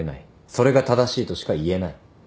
それが正しいとしか言えない。